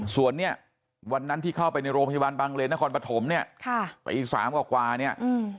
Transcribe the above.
ส่วนเนี่ยวันนั้นที่เข้าไปในโรงพยาบาลบางเลนนครปฐมเนี่ยไปอีก๓กว่าเนี่ย